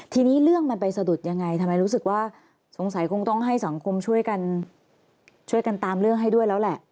ทีนี้เรื่องมันไปสะดุดยังไงทำไมรู้สึกว่าสงสัยคงต้องให้สังคมช่วยกันช่วยกันตามเรื่องให้ด้วยแล้วแหละ